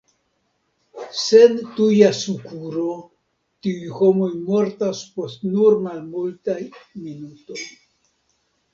Sen tuja sukuro tiuj homoj mortas post nur malmultaj minutoj.